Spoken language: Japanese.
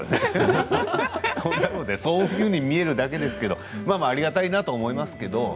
そういうふうに見えるだけですけれど、ありがたいと思います。